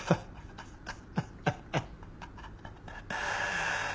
ハハハハ。